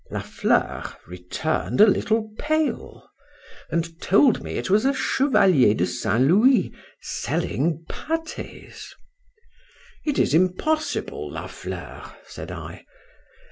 La Fleur returned a little pale; and told me it was a Chevalier de St. Louis selling pâtés.—It is impossible, La Fleur, said I.